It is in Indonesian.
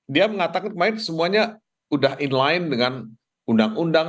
dia mengatakan kemarin semuanya sudah inline dengan undang undang